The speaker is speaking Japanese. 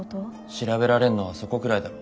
調べられんのはそこくらいだろ。